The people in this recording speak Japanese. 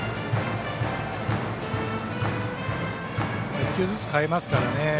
１球ずつ変えますからね。